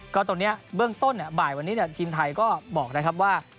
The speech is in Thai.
ก็ตรงนี้เบื้องต้นบ่ายวันนี้ทีมไทยก็บอกนะครับว่า